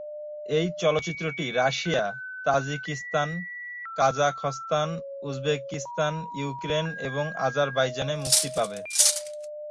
এই চলচ্চিত্রটি Russia, Tajikistan, Kazakhstan, Uzbekistan, Ukraine এবং আজারবাইজানে মুক্তি পাবে।